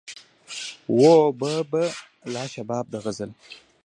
وو به به لا شباب د غزل